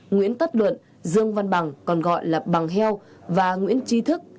nguyễn tất luận dương văn bằng còn gọi là bằng heo và nguyễn tri thức